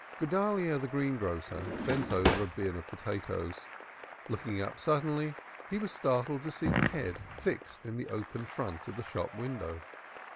Guedalyah the greengrocer bent over a bin of potatoes. Looking up suddenly he was startled to see the head fixed in the open front of the shop window.